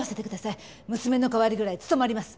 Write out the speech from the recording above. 娘の代わりぐらい務まります。